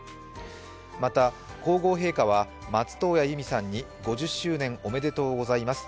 また皇后陛下は、松任谷由実さんに５０周年おめでとうございます。